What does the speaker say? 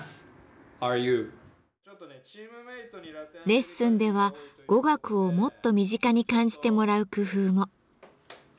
レッスンでは語学をもっと身近に感じてもらう工夫も。